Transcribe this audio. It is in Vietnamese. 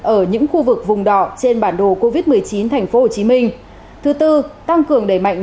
ở những khu vực vùng đỏ trên bản đồ covid một mươi chín tp hcm thứ tư tăng cường đẩy mạnh